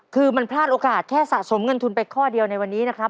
คือมันพลาดโอกาสแค่สะสมเงินทุนไปข้อเดียวในวันนี้นะครับ